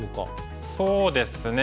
そうですね